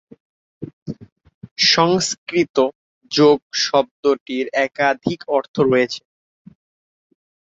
সংস্কৃত "যোগ" শব্দটির একাধিক অর্থ রয়েছে।